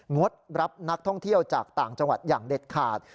งดรับนักท่องเที่ยวจากต่างจังหวัดอย่างเด็ดขาด